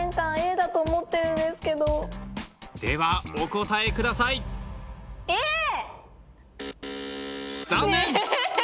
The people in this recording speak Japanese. ではお答えください残念！